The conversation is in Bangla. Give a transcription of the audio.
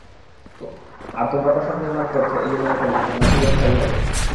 আর তোমরা প্রাসাদ নির্মাণ করছ এই মনে করে যে, তোমরা চিরস্থায়ী হবে।